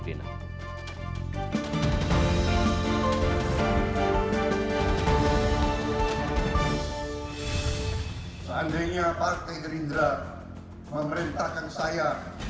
seandainya partai gerindra memerintahkan saya